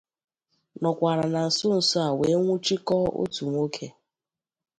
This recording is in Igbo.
nọkwàrà na nsonso a wee nwụchikọọ otu nwoke